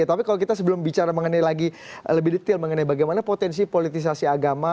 tapi kalau kita sebelum bicara mengenai lagi lebih detail mengenai bagaimana potensi politisasi agama